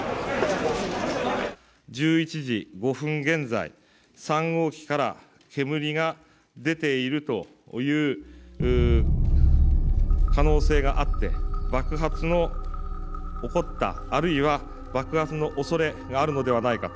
１１時５分現在３号機から煙が出ているという可能性があって爆発の起こったあるいは爆発のおそれがあるのではないかと。